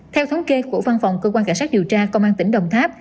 theo thống kê của văn phòng cơ quan cảnh sát điều tra công an tỉnh đồng tháp